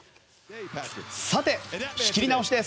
さて、仕切り直しです。